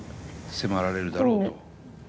迫られるだろうと。